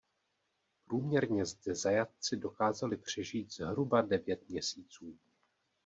Průměrně zde zajatci dokázali přežít zhruba devět měsíců.